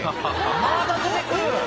「まだ出て来る！」